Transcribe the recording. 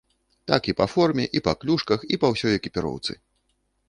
Так і па форме, і па клюшках, і па ўсёй экіпіроўцы.